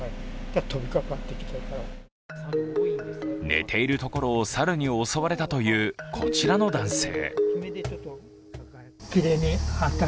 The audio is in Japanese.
寝ているところを猿に襲われたという、こちらの男性。